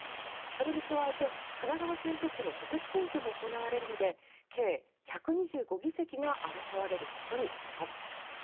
それに加えて神奈川選挙区の補欠選挙も行われるので計１２５議席が争われることになります。